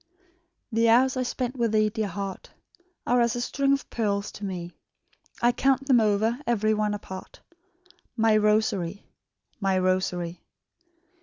"The hours I spent with thee, dear heart, Are as a string of pearls to me; I count them over, ev'ry one apart, My rosary, my rosary.